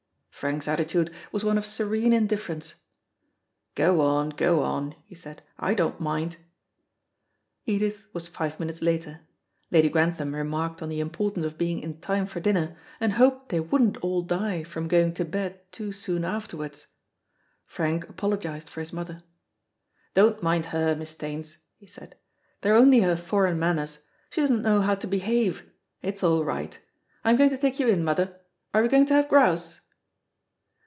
Frank's attitude was one of serene indifference. "Go on, go on," he said; "I don't mind." Edith was five minutes later. Lady Grantham remarked on the importance of being in time for dinner, and hoped they wouldn't all die from going to bed too soon afterwards. Frank apologised for his mother. "Don't mind her, Miss Staines," he said, "they're only her foreign manners. She doesn't know how to behave. It's all right. I'm going to take you in, mother. Are we going to have grouse?"